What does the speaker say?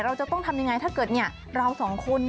เราจะต้องทำยังไงถ้าเกิดเราสองคน